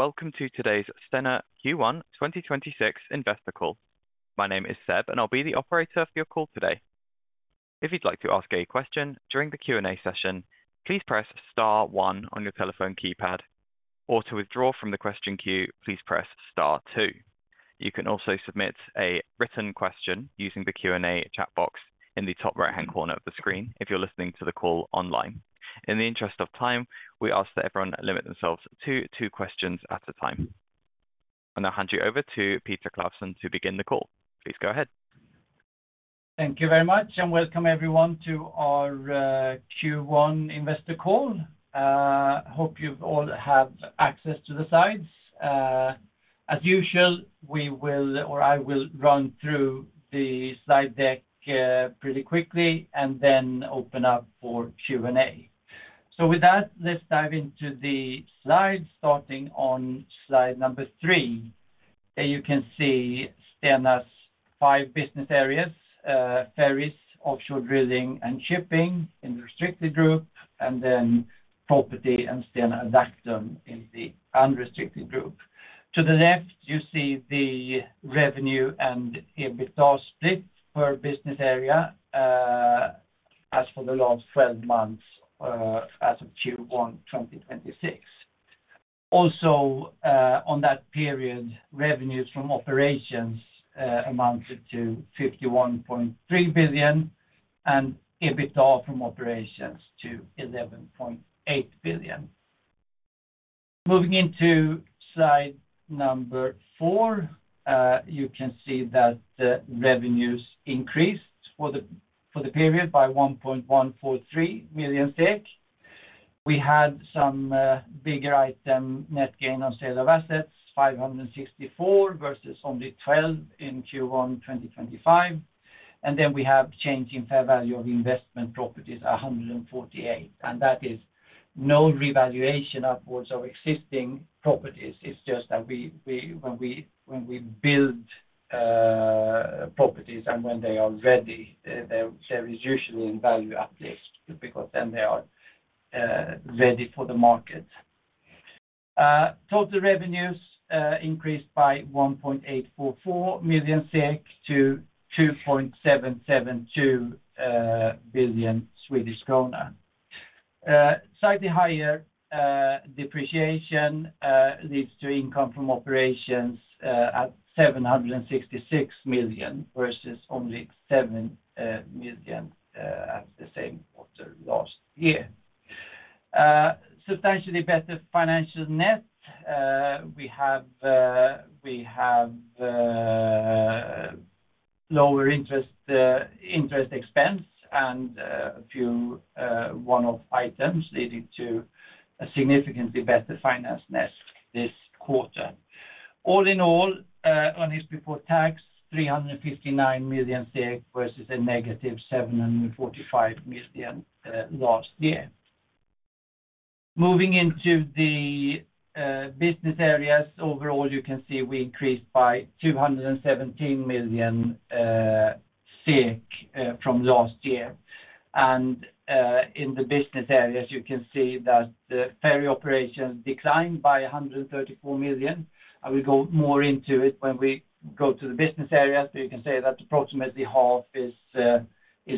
Welcome to today's Stena Q1 2026 investor call. My name is Seb, and I'll be the operator for your call today. If you'd like to ask a question during the Q&A session, please press star one on your telephone keypad. Or to withdraw from the question queue, please press star two. You can also submit a written question using the Q&A chat box in the top right-hand corner of the screen if you're listening to the call online. In the interest of time, we ask that everyone limit themselves to two questions at a time. I'll hand you over to Peter Claesson to begin the call. Please go ahead. Thank you very much, and welcome everyone to our Q1 investor call. Hope you all have access to the slides. As usual, I will run through the slide deck pretty quickly and then open up for Q&A. With that, let's dive into the slides starting on slide number 3. There you can see Stena's five business areas, ferries, offshore drilling, and shipping in the restricted group, and then property and Stena Adactum in the unrestricted group. To the left, you see the revenue and EBITDA split per business area as for the last 12 months, as of Q1 2026. On that period, revenues from operations amounted to 51.3 billion and EBITDA from operations to 11.8 billion. Moving into slide number 4, you can see that revenues increased for the period by 1.143 million SEK. We had some bigger item net gain on sale of assets, 564 versus only 12 in Q1 2025. We have change in fair value of investment properties, 148. That is no revaluation upwards of existing properties. It's just that when we build properties and when they are ready, there is usually in value at least because then they are ready for the market. Total revenues increased by 1.844 million SEK to 2.772 billion Swedish krona. Slightly higher depreciation leads to income from operations at 766 million versus only 7 million at the same quarter last year. Substantially better financial net. We have lower interest expense and a few one-off items leading to a significantly better finance net this quarter. All in all, on this before tax 359 million versus a negative 745 million last year. Moving into the business areas overall, you can see we increased by 217 million from last year. In the business areas, you can see that the ferry operations declined by 134 million. I will go more into it when we go to the business areas, but you can say that approximately half is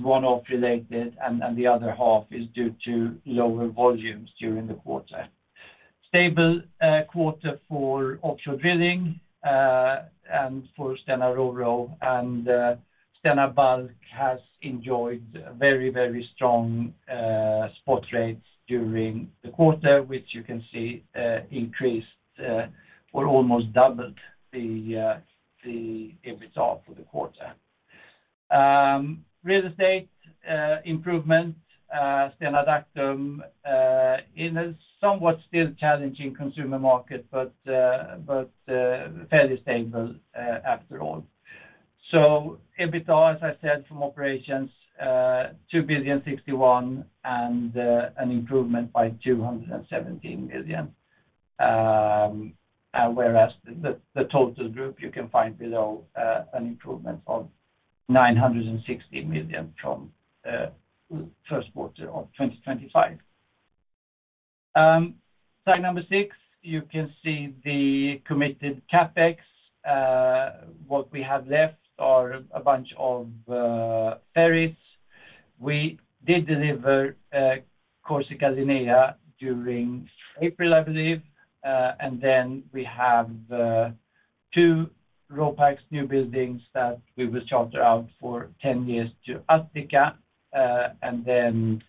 one-off related and the other half is due to lower volumes during the quarter. Stable quarter for offshore drilling, and for Stena RoRo and Stena Bulk has enjoyed very strong spot rates during the quarter, which you can see increased or almost doubled the EBITDA for the quarter. Real estate improvement, Stena Adactum, in a somewhat still challenging consumer market, but fairly stable after all. EBITDA, as I said, from operations, 2 billion 61 and an improvement by 217 million. Whereas the total group you can find below an improvement of 960 million from first quarter of 2025. Slide number six, you can see the committed CapEx. What we have left are a bunch of ferries. We did deliver Corsica Linea during April, I believe. We have two RoPax newbuildings that we will charter out for 10 years to Attica, and then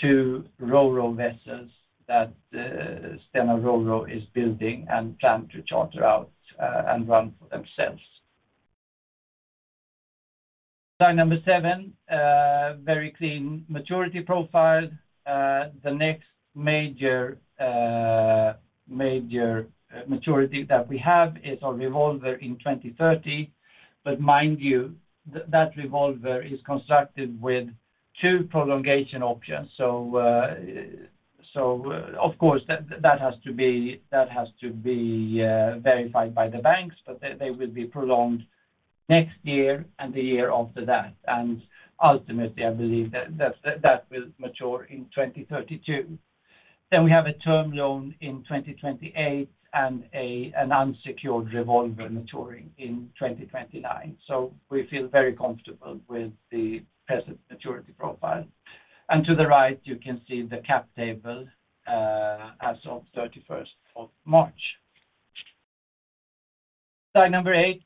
two RoRo vessels that Stena RoRo is building and plan to charter out and run for themselves. Slide number seven, very clean maturity profile. The next major maturity that we have is our revolver in 2030. Mind you, that revolver is constructed with two prolongation options. Of course, that has to be verified by the banks, but they will be prolonged next year and the year after that, and ultimately, I believe that will mature in 2032. We have a term loan in 2028 and an unsecured revolver maturing in 2029. We feel very comfortable with the present maturity profile. To the right, you can see the cap table as of 31st of March. Slide number eight,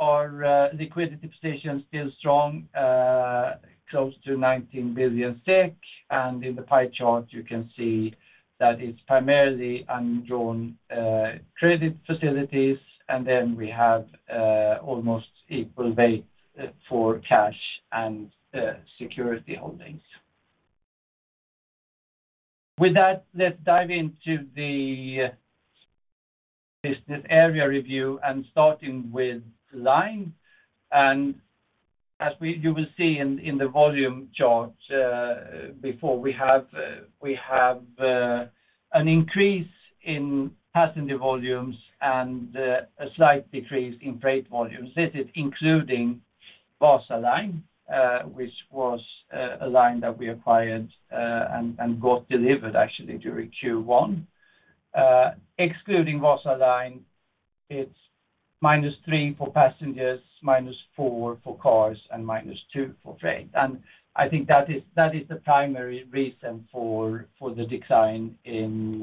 our liquidity position is still strong, close to 19 billion. In the pie chart you can see that it's primarily undrawn credit facilities, then we have almost equal weight for cash and security holdings. With that, let's dive into the business area review starting with Stena Line. As you will see in the volume chart before, we have an increase in passenger volumes and a slight decrease in freight volumes. This is including Wasaline, which was a line that we acquired and got delivered actually during Q1. Excluding Wasaline, it's minus three for passengers, minus four for cars, and minus two for freight. I think that is the primary reason for the decline in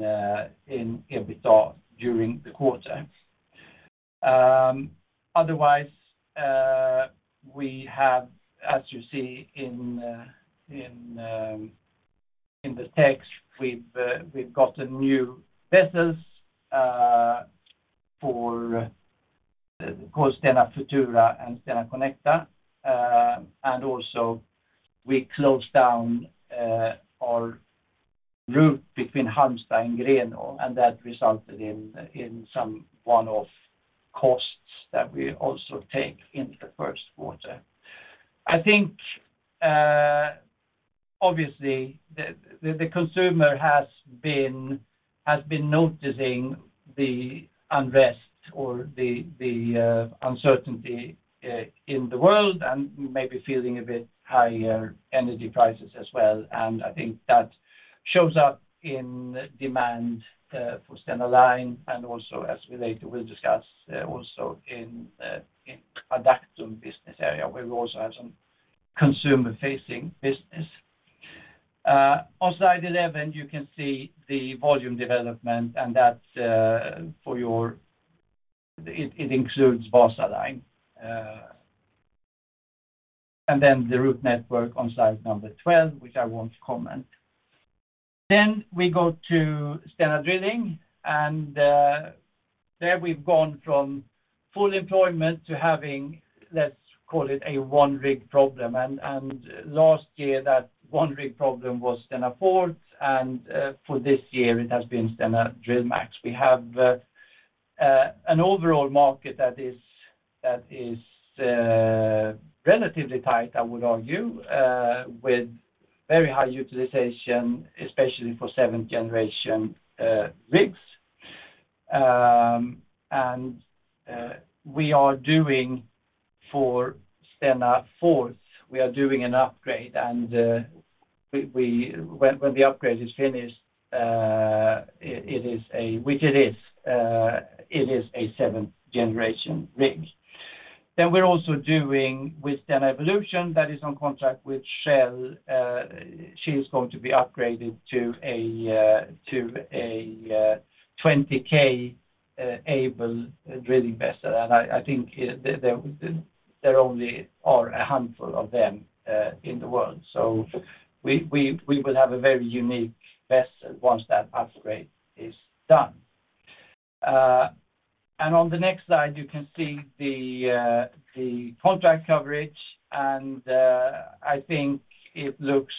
EBITDA during the quarter. Otherwise, we have, as you see in the text, we've gotten new vessels for Stena Futura and Stena Connecta. Also we closed down our route between Halmstad and Grenå, and that resulted in some one-off costs that we also take into the first quarter. I think, obviously, the consumer has been noticing the unrest or the uncertainty in the world and maybe feeling a bit higher energy prices as well. I think that shows up in demand for Stena Line and also, as we later will discuss, in Adactum business area, where we also have some consumer-facing business. On slide 11, you can see the volume development, and it includes Wasaline. The route network on slide 12, which I won't comment. We go to Stena Drilling, and there we've gone from full employment to having, let's call it a one rig problem. Last year that one rig problem was Stena Forth, and for this year it has been Stena DrillMAX. We have an overall market that is relatively tight, I would argue, with very high utilization, especially for seventh generation rigs. For Stena Forth, we are doing an upgrade and when the upgrade is finished, which it is, it is a seventh generation rig. We're also doing with Stena Evolution, that is on contract with Shell. She is going to be upgraded to a [20K-able] drilling vessel. I think there only are a handful of them in the world. We will have a very unique vessel once that upgrade is done. On the next slide, you can see the contract coverage, and I think it looks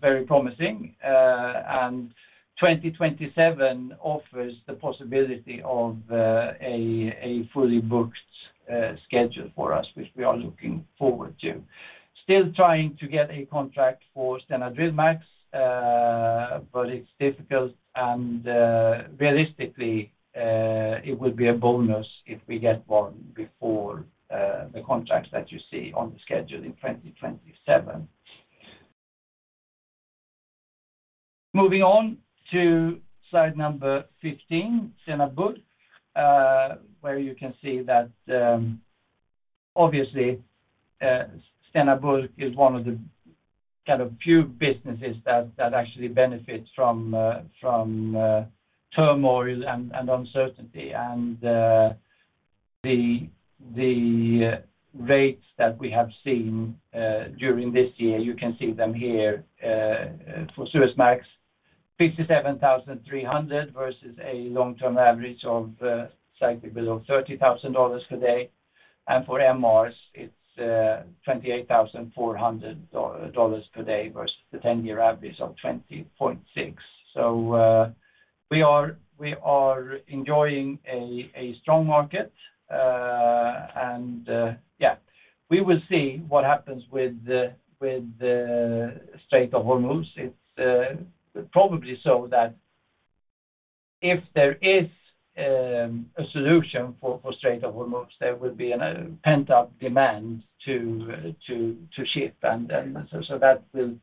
very promising. 2027 offers the possibility of a fully booked schedule for us, which we are looking forward to. Still trying to get a contract for Stena DrillMAX, but it's difficult, and realistically, it will be a bonus if we get one before the contracts that you see on the schedule in 2027. Moving on to slide number 15, Stena Bulk, where you can see that, obviously, Stena Bulk is one of the few businesses that actually benefits from turmoil and uncertainty. The rates that we have seen during this year, you can see them here, for Suezmax $57,300 versus a long-term average of slightly below $30,000 per day. For MRs it's $28,400 per day versus the 10-year average of $20.6. So we are enjoying a strong market. We will see what happens with the Strait of Hormuz. If there is a solution for Strait of Hormuz, there will be a pent-up demand to ship. That will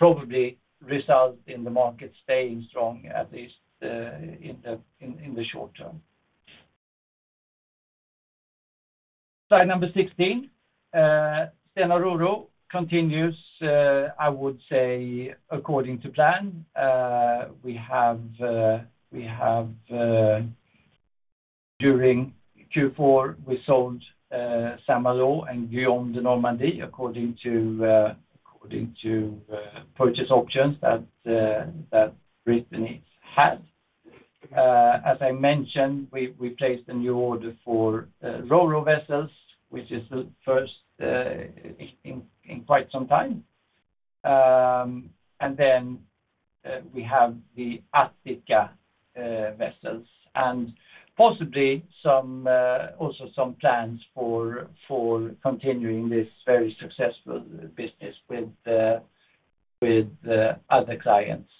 probably result in the market staying strong, at least in the short term. Slide number 16. Stena RoRo continues, I would say, according to plan. During Q4, we sold Saint-Malo and Guillaume de Normandie according to purchase options that Brittany had. As I mentioned, we placed a new order for RoRo vessels, which is the first in quite some time. We have the Attica vessels and possibly also some plans for continuing this very successful business with other clients,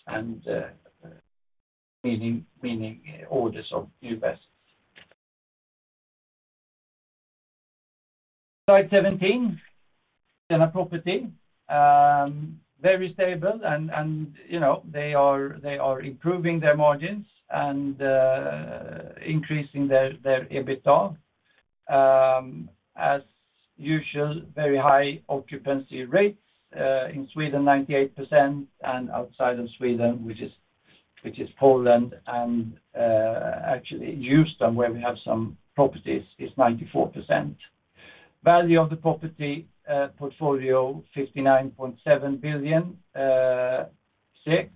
meaning orders of new vessels. Slide 17. Stena Property. Very stable and they are improving their margins and increasing their EBITDA. As usual, very high occupancy rates. In Sweden, 98%, outside of Sweden, which is Poland and actually Houston, where we have some properties, is 94%. Value of the property portfolio, 59.7 billion SEK,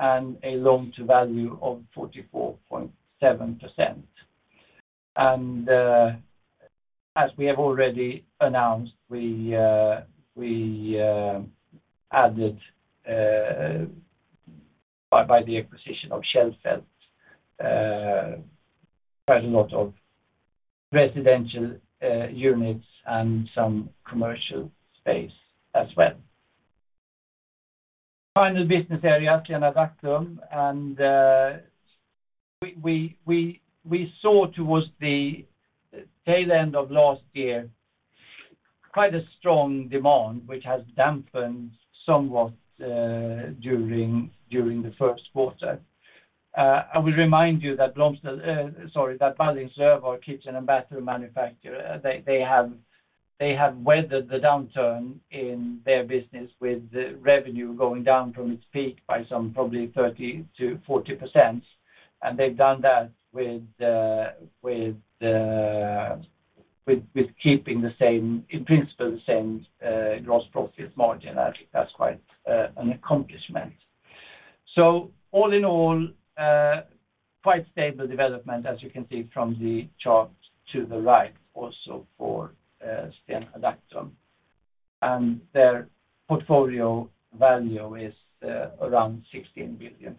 a loan to value of 44.7%. As we have already announced, we added, by the acquisition of Kjellberg, quite a lot of residential units and some commercial space as well. Final business area, Stena Adactum, we saw towards the tail end of last year quite a strong demand, which has dampened somewhat during the first quarter. I will remind you that Ballingslöv, our kitchen and bathroom manufacturer, they have weathered the downturn in their business with revenue going down from its peak by some probably 30%-40%. They've done that with keeping, in principle, the same gross profit margin. I think that's quite an accomplishment. All in all, quite stable development as you can see from the chart to the right also for Stena Adactum. Their portfolio value is around 16 billion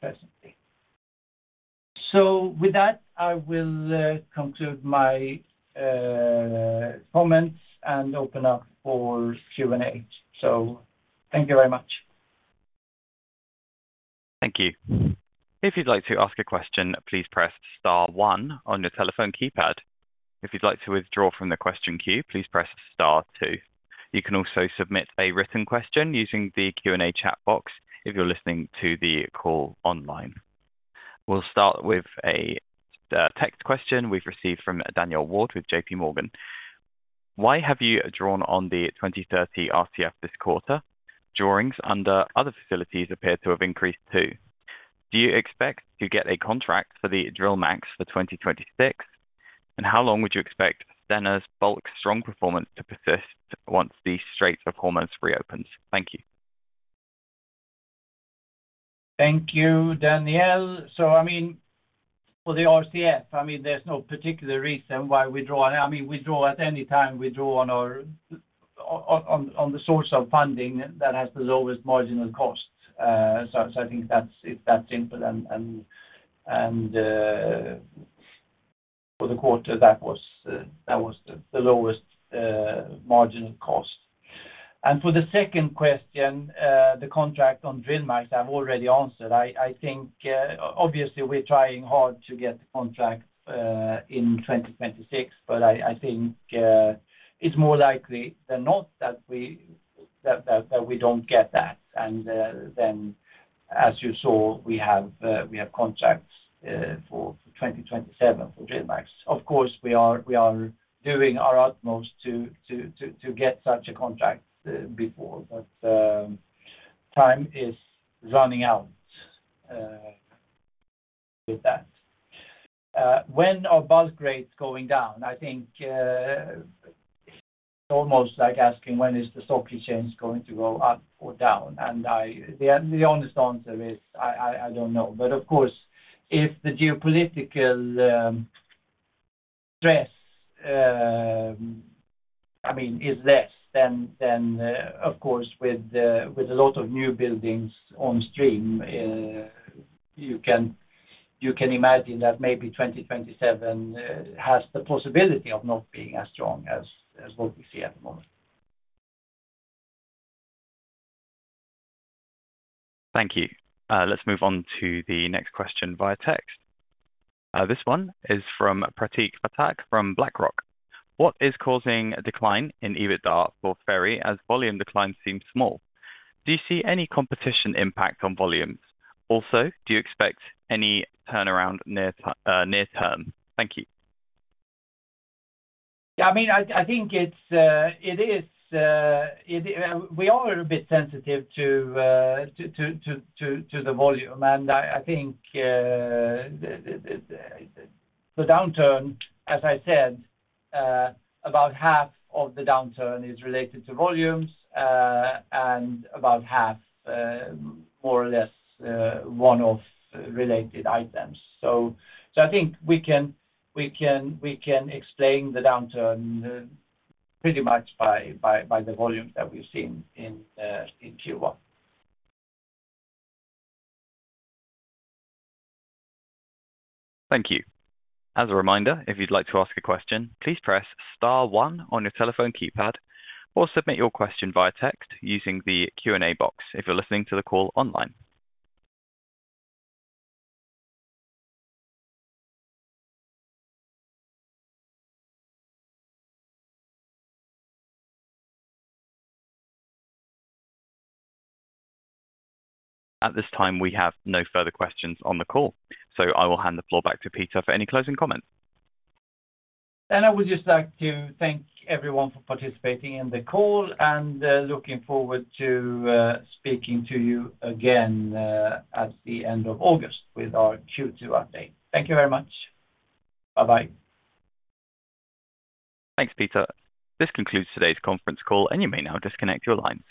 presently. With that, I will conclude my comments and open up for Q&A. Thank you very much. Thank you. If you'd like to ask a question, please press star one on your telephone keypad. If you'd like to withdraw from the question queue, please press star two. You can also submit a written question using the Q&A chat box if you're listening to the call online. We'll start with a text question we've received from Daniel Ward with JPMorgan. Why have you drawn on the 2030 RCF this quarter? Drawings under other facilities appear to have increased too. Do you expect to get a contract for the DrillMAX for 2026? How long would you expect Stena's Bulk strong performance to persist once the Strait of Hormuz reopens? Thank you. Thank you, Daniel. For the RCF, there's no particular reason why we draw. At any time, we draw on the source of funding that has the lowest marginal cost. I think it's that simple and for the quarter, that was the lowest marginal cost. For the second question, the contract on Stena DrillMAX, I've already answered. I think, obviously, we're trying hard to get the contract in 2026, but I think it's more likely than not that we don't get that. As you saw, we have contracts for 2027 for Stena DrillMAX. Of course, we are doing our utmost to get such a contract before, but time is running out with that. When are bulk rates going down? I think it's almost like asking when is the stock exchange going to go up or down? The honest answer is, I don't know. Of course, if the geopolitical stress is less, then of course, with a lot of new buildings on stream, you can imagine that maybe 2027 has the possibility of not being as strong as what we see at the moment. Thank you. Let's move on to the next question via text. This one is from Prateek Phatak from BlackRock. What is causing a decline in EBITDA for ferry as volume declines seem small? Do you see any competition impact on volumes? Do you expect any turnaround near-term? Thank you. Yeah, I think we are a bit sensitive to the volume, and I think the downturn, as I said, about half of the downturn is related to volumes, and about half, more or less, one-off related items. I think we can explain the downturn pretty much by the volumes that we've seen in Q1. Thank you. As a reminder, if you'd like to ask a question, please press star one on your telephone keypad or submit your question via text using the Q&A box if you're listening to the call online. At this time, we have no further questions on the call, so I will hand the floor back to Peter for any closing comments. I would just like to thank everyone for participating in the call, and looking forward to speaking to you again at the end of August with our Q2 update. Thank you very much. Bye-bye. Thanks, Peter. This concludes today's conference call, and you may now disconnect your lines.